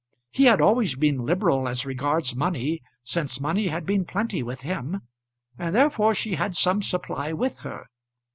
He had always been liberal as regards money since money had been plenty with him, and therefore she had some supply with her.